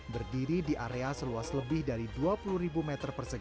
berdiri di area seluas lebih dari dua puluh meter persegi